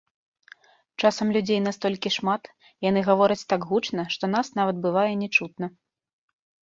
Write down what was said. Часам людзей настолькі шмат, яны гавораць так гучна, што нас нават бывае не чутна.